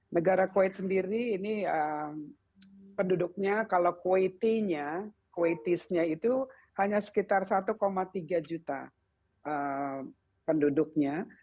negara kuwait sendiri ini penduduknya kalau kuwaitinya kuwaitisnya itu hanya sekitar satu tiga juta penduduknya